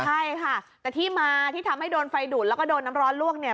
ใช่ค่ะแต่ที่มาที่ทำให้โดนไฟดูดแล้วก็โดนน้ำร้อนลวกเนี่ย